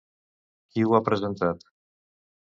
Qui ho ha presentat?